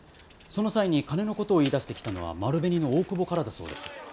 その際に金の事を言いだしてきたのは丸紅の大久保からだそうです。